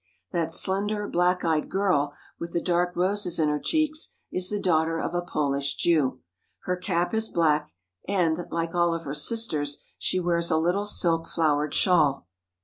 That slender, black eyed girl, with the dark roses in her cheeks, is the daugh ter of a Polish Jew. Her cap is black, and, like all of her sisters, she wears a little silk flowered shawl.